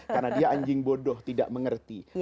karena dia anjing bodoh tidak mengerti